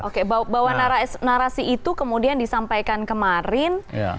oke bahwa narasi itu kemudian disampaikan kemarin